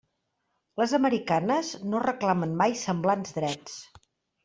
Les americanes no reclamen mai semblants drets.